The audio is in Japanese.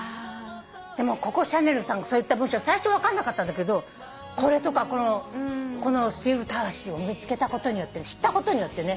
ココ・シャネルさんがそう言った文章最初分かんなかったんだけどこれとかこのスチールたわしを見つけたことによって知ったことによってね。